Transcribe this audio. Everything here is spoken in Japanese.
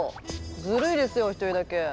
ずるいですよ一人だけ。